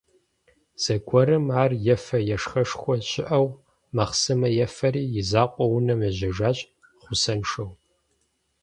Зэгуэрым ар ефэ-ешхэшхуэ щыӀэу махъсымэ ефэри, и закъуэу унэм ежьэжащ, гъусэншэу.